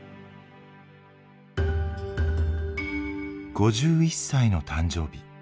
５１歳の誕生日。